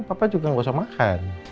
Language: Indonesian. papa juga nggak usah makan